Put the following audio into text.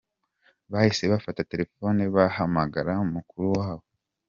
Bahise bafata telefone bahamagara mukuru wabo.